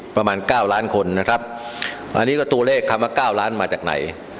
ประมาณเก้าล้านคนนะครับอันนี้ก็ตัวเลขคำว่าเก้าล้านมาจากไหน